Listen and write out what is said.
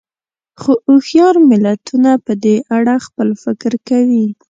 خو هوښیار ملتونه په دې اړه خپل فکر کوي.